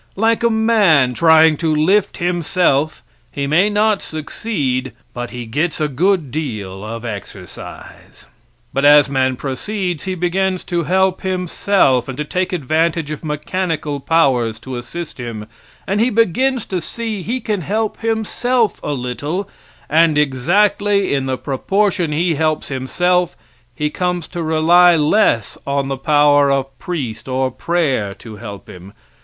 Like a man trying to lift himself, he may not succeed, but he gets a good deal of exercise. But as man proceeds, he begins to help himself and to take advantage of mechanical powers to assist him, and he begins to see he can help himself a little, and exactly in the proportion he helps himself he comes to rely less on the power of priest or prayer to help him.